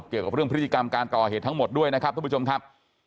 เกี่ยวกับเรื่องพฤติกรรมการก่อเหตุทั้งหมดด้วยนะครับทุกผู้ชมครับ